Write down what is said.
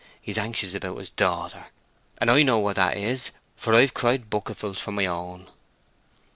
He's anxious about his daughter; and I know what that is, for I've cried bucketfuls for my own."